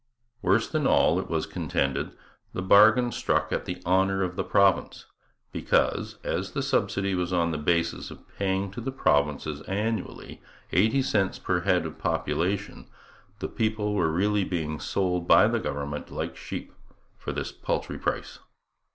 Worse than all, it was contended, the bargain struck at the honour of the province, because, as the subsidy was on the basis of paying to the provinces annually eighty cents per head of population, the people were really being sold by the government like sheep for this paltry price.